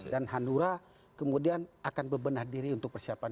dan hanura kemudian akan bebenah diri untuk persiapan dua ribu dua puluh empat